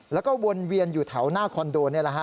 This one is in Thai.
แล้วก็วนเวียนอยู่แถวหน้าคอนโดนี่แหละฮะ